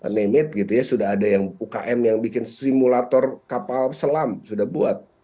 namanya sudah ada yang ukm yang bikin simulator kapal selam sudah buat